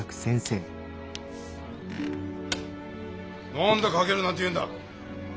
何で書けるなんて言うんだ！